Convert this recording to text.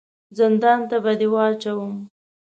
زندان ته به دي واچوم !